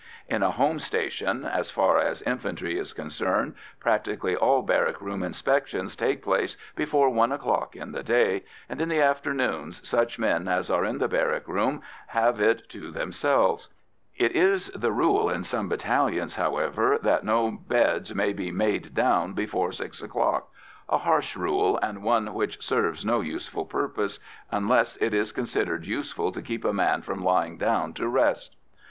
In a home station, as far as infantry is concerned, practically all barrack room inspections take place before one o'clock in the day, and in the afternoons such men as are in the barrack room have it to themselves. It is the rule in some battalions, however, that no beds may be "made down" before six o'clock a harsh rule, and one which serves no useful purpose, unless it be considered useful to keep a man from lying down to rest.